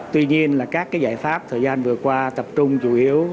tuy nhiên các giải pháp thời gian vừa qua tập trung chủ yếu